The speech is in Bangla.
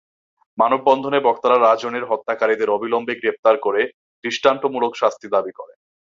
মানববন্ধনে বক্তারা রাজনের হত্যাকারীদের অবিলম্বে গ্রেপ্তার করে দৃষ্টান্তমূলক শাস্তি দাবি করেন।